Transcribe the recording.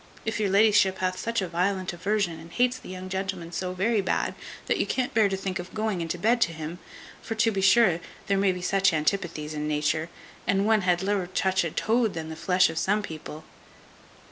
If your la'ship hath such a violent aversion, and hates the young gentleman so very bad, that you can't bear to think of going into bed to him; for to be sure there may be such antipathies in nature, and one had lieverer touch a toad than the flesh of some people."